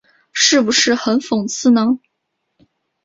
是不是很讽刺呢？